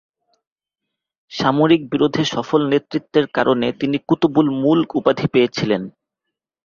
সামরিক বিরোধে সফল নেতৃত্বের কারণে তিনি "কুতুব-উল-মুলক" উপাধি পেয়েছিলেন।